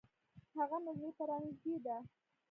هغه مي زړه ته را نژدې ده .